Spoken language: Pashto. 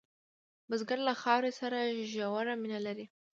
بزګر له خاورې سره ژوره مینه لري